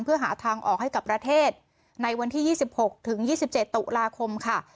เพื่อหาทางออกให้กับประเทศในวันที่ยี่สิบหกถึงยี่สิบเจ็ดตุลาคมค่ะ